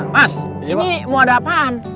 mas ini mau ada apaan